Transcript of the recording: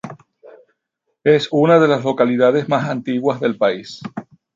Es una de las localidades más antiguas del país.